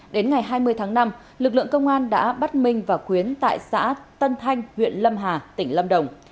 đến ngày hai mươi tháng năm lực lượng công an đã bắt minh và khuyến tại xã tân thanh huyện lâm hà tỉnh lâm đồng